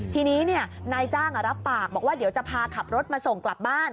ทีนี้นายจ้างรับปากบอกว่าเดี๋ยวจะพาขับรถมาส่งกลับบ้าน